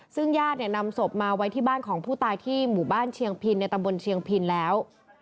ซึ่งญาติเนี่ยนำศพมาไว้ที่บ้านของผู้ตายที่หมู่บ้านเชียงพินในตำบลเชียงพินแล้ว